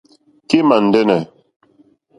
Kémà ndɛ́nɛ̀.